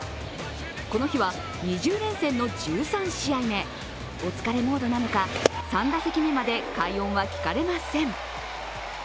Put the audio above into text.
この日は２０連戦の１３試合目お疲れモードなのか３打席目まで快音は聞かれません。